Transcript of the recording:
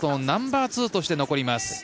ナンバーツーとして残ります。